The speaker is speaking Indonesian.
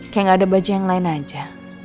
kayak gak ada baju yang lain aja